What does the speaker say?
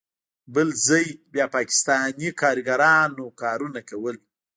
بل ځای بیا پاکستانی کاریګرانو کارونه کول.